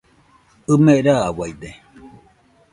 ɨme rauaide.